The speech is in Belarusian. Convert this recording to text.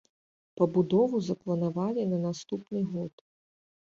Пабудову запланавалі на наступны год.